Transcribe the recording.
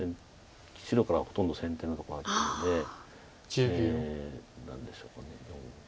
白からほとんど先手のとこだったのでええ何でしょうか。